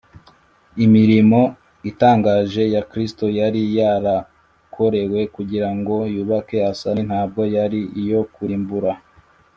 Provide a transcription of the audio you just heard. ’ imirimo itangaje ya kristo yari yarakorewe kugira ngo yubake, asane ntabwo yari iyo kurimbura